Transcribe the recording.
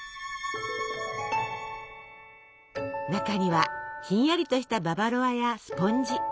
中にはひんやりとしたババロアやスポンジ。